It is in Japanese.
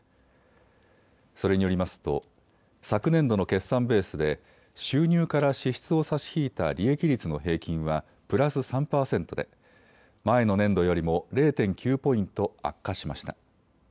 それによりますと昨年度の決算ベースで収入から支出を差し引いた利益率の平均はプラス３％で前の年度よりも０．９ポイント悪化しました。